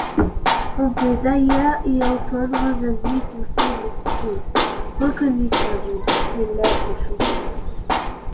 On peut d'ailleurs y entendre Zazie pousser les cris reconnaissables du célèbre chanteur.